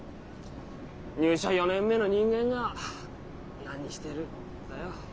入社４年目の人間が何してるだよ。